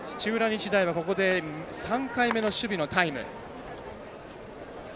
日大は、ここで３回目の守備のタイム。